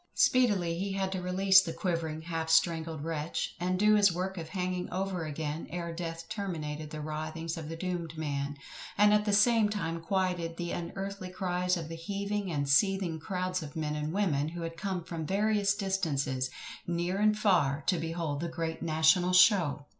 Speedily he had to release the quivering half strangled wretch, and do his work of hanging over again, ere death terminated the writhings of the doomed man, and at the same time quieted the unearthly cries of the heaving and seething crowds of men and women who had come from various distances, near and far, to behold the great NATIONAL SHOW!